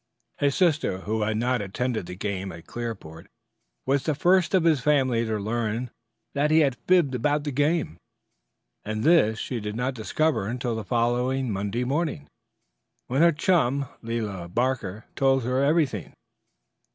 His sister, who had not attended the game at Clearport, was the first of his family to learn that he had fibbed about that game, and this she did not discover until the following Monday morning, when her chum, Lela Barker, told her everything.